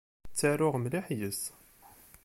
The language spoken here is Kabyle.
Ttaruɣ mliḥ yes-s.